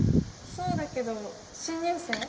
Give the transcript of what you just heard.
そうだけど新入生？